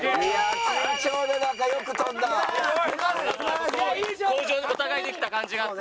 向上お互いできた感じがあって。